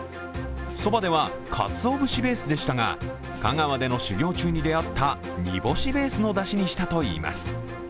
そばでは、かつお節ベースでしたが香川での修業中に出会った煮干しベースのだしにしたといいます。